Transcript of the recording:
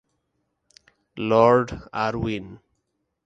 Lord Irwin